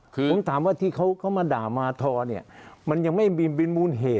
ผมถามว่าที่เขามาด่ามาทอเนี่ยมันยังไม่เป็นมูลเหตุ